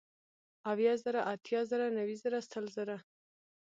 اويه زره ، اتيا زره نوي زره سل زره